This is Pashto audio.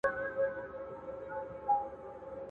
بابا دي خداى وبخښي، مگر شنې مي ملا راماته کړه.